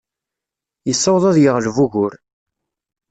Yessaweḍ ad yeɣleb ugur.